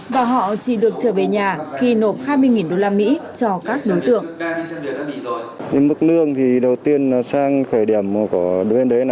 và họ chỉ được trở về nhà khi nộp hai mươi usd